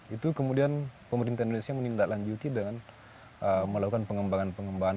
itu kemudian pemerintah indonesia menindaklanjuti dengan melakukan pengembangan pengembangan